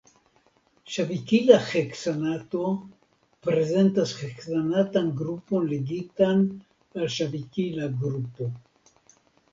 Ŝavikila heksanato prezentas heksanatan grupon ligitan al ŝavikila grupo.